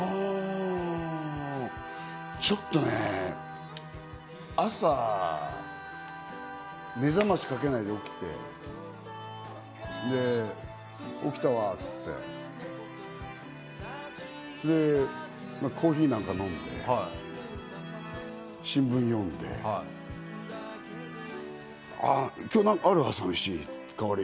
ちょっとね、朝、目覚ましかけないで起きて、起きたわって言って、コーヒーなんか飲んで、新聞読んで、今日なんか、朝飯ある？